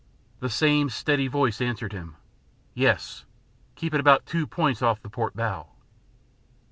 The same steady voice answered him. "Yes. Keep it about two points off the port bow."